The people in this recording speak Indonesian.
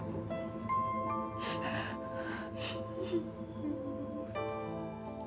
disitulah ibadah kita